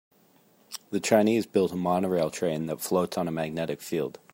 The Chinese built a monorail train that floats on a magnetic field.